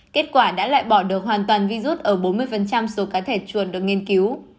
kết quả đã loại bỏ được hoàn toàn virus ở bốn mươi số cá thể chuồn được nghiên cứu